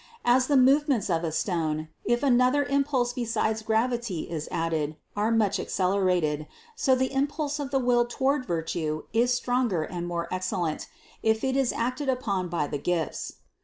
As the movements of a stone, if another impulse beside gravity is added, are much accelerated, so the impulse of the will toward virtue is stronger and more excellent, if it is acted upon by the gifts.